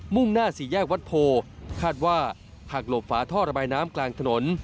่งหน้าสี่แยกวัดโพคาดว่าหักหลบฝาท่อระบายน้ำกลางถนน